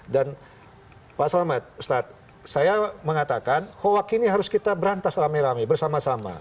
dan pak selamat ustadz saya mengatakan ho'wakili harus kita berantas rame rame bersama sama